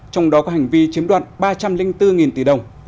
trong đó có hành vi chiếm đoạn ba trăm linh bốn tỷ đồng của ngân hàng scb